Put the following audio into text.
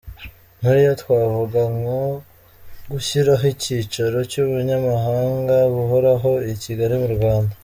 Muri yo twavuga nko gushyiraho icyicaro cy’ubunyamabanga buhoraho i Kigali mu Rwanda.